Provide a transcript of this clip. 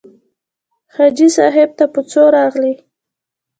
حاجي صاحب ته په څو راغلې.